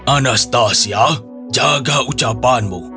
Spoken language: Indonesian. anastasia jaga ucapanmu